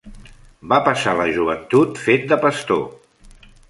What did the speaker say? Va passar la joventut fent de pastor.